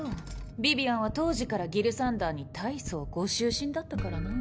ビビアンは当時からギルサンダーに大層ご執心だったからな。